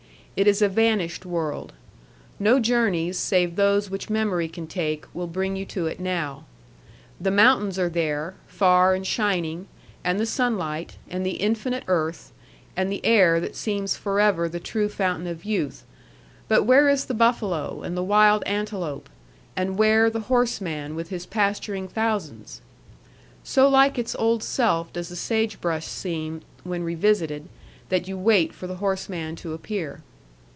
It is a vanished world. No journeys, save those which memory can take, will bring you to it now. The mountains are there, far and shining, and the sunlight, and the infinite earth, and the air that seems forever the true fountain of youth, but where is the buffalo, and the wild antelope, and where the horseman with his pasturing thousands? So like its old self does the sage brush seem when revisited, that you wait for the horseman to appear.